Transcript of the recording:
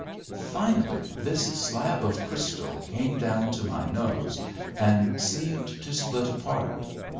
Finally, this slab of crystal came down to my nose, and seemed to split apart.